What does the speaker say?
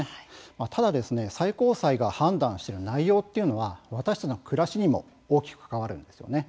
ただ最高裁が判断している内容というのは私たちの暮らしにも大きく関わるんですよね。